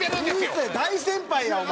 大先輩やお前。